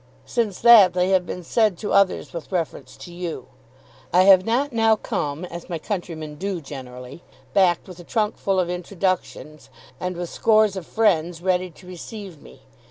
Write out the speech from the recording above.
Since that they have been said to others with reference to you. I have not now come, as my countrymen do generally, backed with a trunk full of introductions and with scores of friends ready to receive me.